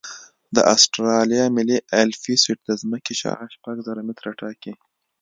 د اسټرالیا ملي الپسویډ د ځمکې شعاع شپږ زره متره ټاکي